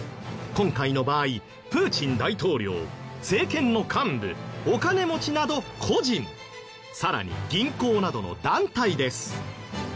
今回の場合プーチン大統領政権の幹部お金持ちなど個人さらに銀行などの団体です。